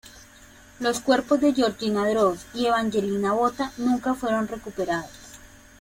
Los cuerpos de Georgina Droz y Evangelina Botta nunca fueron recuperados.